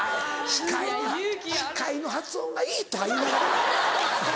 「視界『視界』の発音がいい！」とか言いながら。